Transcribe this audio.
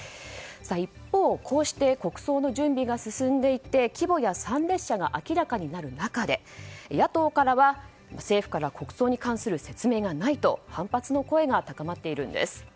一方、こうして国葬の準備が進んでいって規模や参列者が明らかになる中で野党からは政府から国葬に関する説明がないと反発の声が高まっているんです。